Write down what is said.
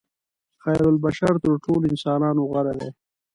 خیرالبشر تر ټولو انسانانو غوره دي.